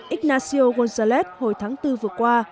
ignacio gonzalez hồi tháng bốn vừa qua